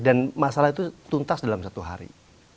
dan masalah itu tuntas dalam satu hari